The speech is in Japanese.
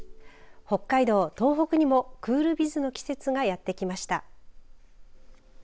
北海道、東北にもクールビズの季節がやって来ました。